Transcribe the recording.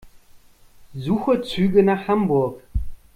Suche Züge nach Hamburg.